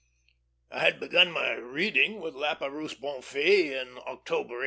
I had begun my reading with Lapeyrouse Bonfils, in October, 1885.